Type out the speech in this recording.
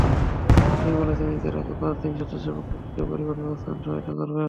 তিনি বলেছেন, ঈদের আগের পাঁচ দিন স্বেচ্ছাসেবকেরা পুলিশকে পরিবহন ব্যবস্থাপনায় সহায়তা করবেন।